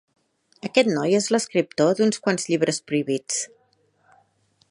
Aquest noi és l'escriptor d'uns quants llibres prohibits.